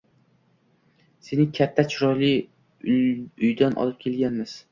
Seni katta, chiroyli uydan olib kelganmiz